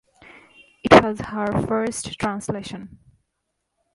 It was her first translation.